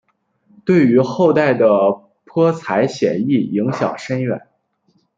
对于后代的泼彩写意影响深远。